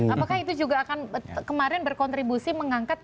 apakah itu juga akan kemarin berkontribusi mengangkat